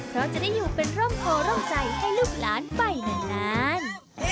เพราะจะได้อยู่เป็นร่มโพร่มใจให้ลูกหลานไปนาน